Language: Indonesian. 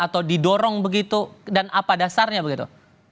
atau didorong begitu dan apa dasarnya begitu